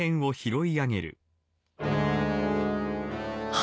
あ。